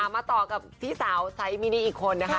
มาต่อกับที่สาวไซส์มินิอีกคนนะคะ